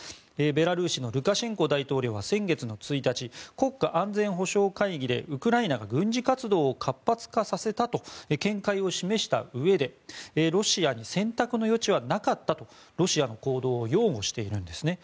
ベラルーシのルカシェンコ大統領が先月の１日国家安全保障会議でウクライナが軍事活動を活発化させたと見解を示したうえでロシアに選択の余地はなかったとロシアの行動を擁護しているんですね。